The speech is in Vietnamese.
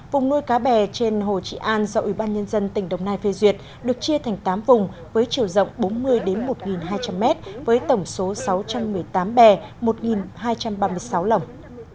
vùng nuôi cá bè trên hồ trị an do ủy ban nhân dân tỉnh đồng nai phê duyệt được chia thành tám vùng với chiều rộng bốn mươi một nghìn hai trăm linh mét với tổng số sáu trăm một mươi tám bè một hai trăm ba mươi sáu lồng